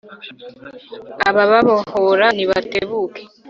ababahora nibatebuke